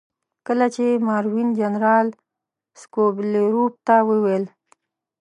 کله چې ماروین جنرال سکوبیلروف ته وویل.